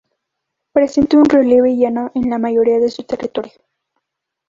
Presenta un relieve llano en la mayoría de su territorio.